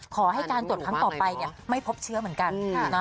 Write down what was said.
ขอให้การตรวจครั้งต่อไปไม่พบเชื้อเหมือนกัน